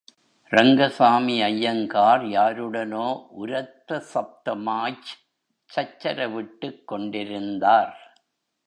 ரங்கசாமி ஐயங்கார், யாருடனோ உரத்த சப்தமாய்ச் சச்சரவிட்டுக் கொண்டிருந்தார்.